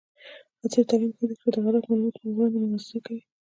عصري تعلیم مهم دی ځکه چې د غلطو معلوماتو پر وړاندې مبارزه کوي.